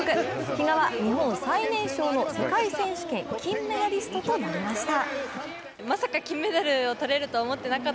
比嘉は日本最年少の世界選手権金メダリストとなりました。